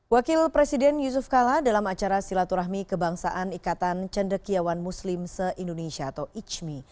wakil presiden yusuf kala dalam acara silaturahmi kebangsaan ikatan cendekiawan muslim se indonesia atau icmi